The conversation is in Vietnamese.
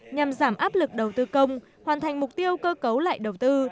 nhằm giảm áp lực đầu tư công hoàn thành mục tiêu cơ cấu lại đầu tư